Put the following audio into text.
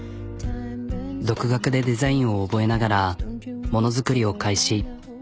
独学でデザインを覚えながらもの作りを開始。